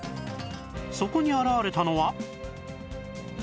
そこに現れたのは